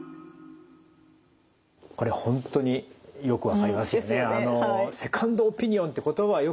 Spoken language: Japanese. これ本当によく分かりますよね。